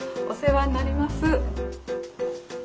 お世話になります。